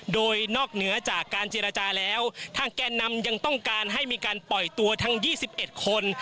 โดยนอกเหนือจากการเจรจาแล้วทางแก่นำยังต้องการให้มีการปล่อยตัวทั้ง๒๑คน